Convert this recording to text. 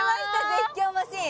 絶叫マシン